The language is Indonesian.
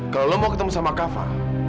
kalau lo mau ketemu sama kava